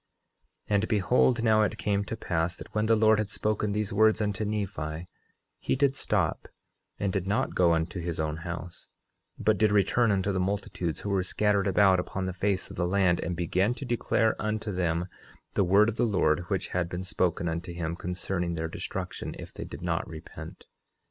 10:12 And behold, now it came to pass that when the Lord had spoken these words unto Nephi, he did stop and did not go unto his own house, but did return unto the multitudes who were scattered about upon the face of the land, and began to declare unto them the word of the Lord which had been spoken unto him, concerning their destruction if they did not repent.